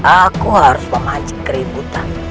aku harus memanjik keributan